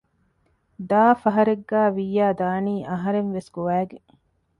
ދާ ފަހަރެއްގަ ވިއްޔާ ދާނީ އަހަރެންވެސް ގޮވައިގެން